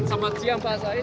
selamat siang pak said